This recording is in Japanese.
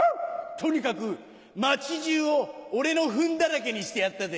とにかく街じゅうを俺のフンだらけにしてやったぜ。